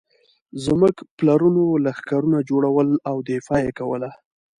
زموږ پلرونو لښکرونه جوړول او دفاع یې کوله.